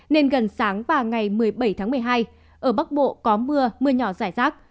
nên gần sáng và ngày một mươi bảy tháng một mươi hai ở bắc bộ có mưa mưa nhỏ rải rác